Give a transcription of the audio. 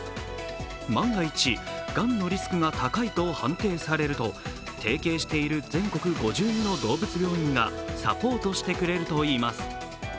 万が一、がんのリスクが高いと判定されると提携している全国５２の動物病院がサポートしてくれるといいます。